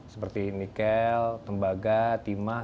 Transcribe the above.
seperti nikel tembaga timah